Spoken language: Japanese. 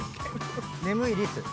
眠いリス。